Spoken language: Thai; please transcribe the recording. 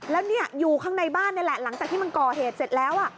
แล้วเนี่ยอยู่ข้างในบ้านนี่แหละหลังจากที่มันก่อเหตุเสร็จแล้ว